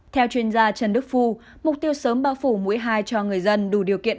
theo chuyên gia trần đức phu mục tiêu sớm bao phủ mũi hai cho người dân đủ điều kiện